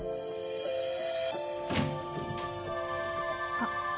あっ。